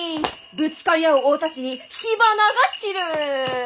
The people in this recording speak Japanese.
ぶつかり合う大太刀に火花が散る！